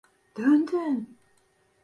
Döndün!